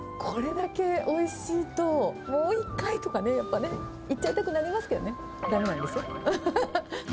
これだけおいしいと、もう一回とかね、やっぱね、言っちゃいたくなりますけどね、だめなんですよ。